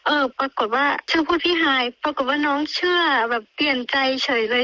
ปรากฏว่าชื่อพูดพี่ฮายปรากฏว่าน้องเชื่อแบบเปลี่ยนใจเฉยเลย